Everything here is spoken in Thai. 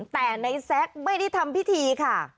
แต่ในแซคไม่ได้ทำพิธีค่ะ